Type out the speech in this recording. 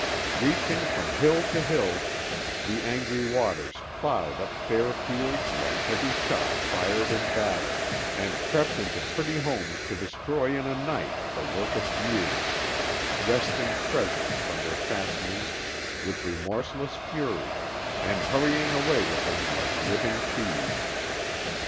Reaching from hill to hill, the angry waters ploughed up fair fields like heavy shot fired in battle, and crept into pretty homes to destroy in a night the work of years, wresting treasures from their fastenings with remorseless fury, and hurrying away with them like living thieves.